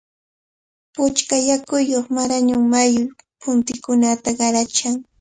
Puchka yakuyuq Marañón mayu muntikunata qarachan.